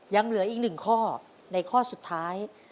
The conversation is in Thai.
ยังเหลืออีกหนึ่งข้อในข้อสุดท้าย